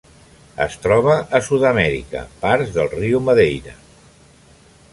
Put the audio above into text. Es troba a Sud-amèrica: parts del riu Madeira.